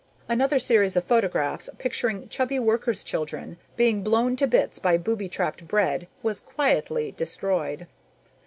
Another series of photographs, picturing chubby workers' children being blown to bits by booby trapped bread, was quietly destroyed.